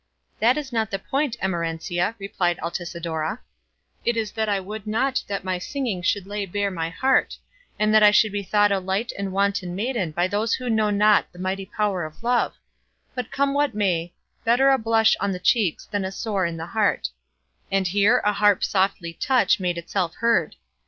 "That is not the point, Emerencia," replied Altisidora, "it is that I would not that my singing should lay bare my heart, and that I should be thought a light and wanton maiden by those who know not the mighty power of love; but come what may; better a blush on the cheeks than a sore in the heart;" and here a harp softly touched made itself heard.